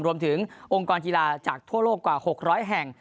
รวมถึงองค์กรกีฬาจากทั่วโลกกว่า๖๐๐แห่ง